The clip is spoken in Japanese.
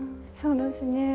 そうどすね。